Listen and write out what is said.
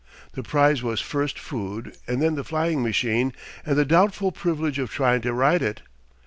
The prize was first food and then the flying machine and the doubtful privilege of trying' to ride it.